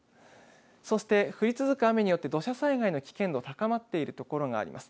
そして降り続く雨によって土砂災害の危険度高まっているところがあります。